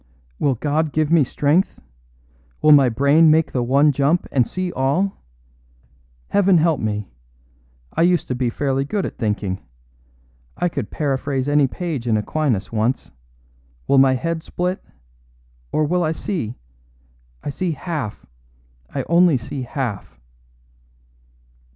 Will God give me strength? Will my brain make the one jump and see all? Heaven help me! I used to be fairly good at thinking. I could paraphrase any page in Aquinas once. Will my head split or will it see? I see half I only see half."